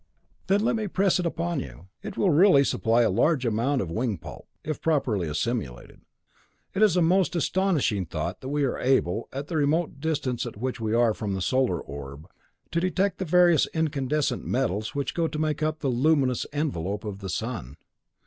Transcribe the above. "Then let me press it upon you. It will really supply a large amount of wing pulp, if properly assimilated. It is a most astonishing thought that we are able, at the remote distance at which we are from the solar orb, to detect the various incandescent metals which go to make up the luminous envelope of the sun.